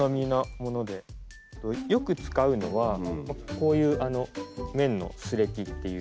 よく使うのはこういう綿のスレキっていう。